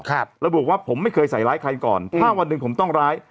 ระบุว่าผมไม่เคยใส่ร้ายใครก่อนถ้าวันหนึ่งผมต้องร้าย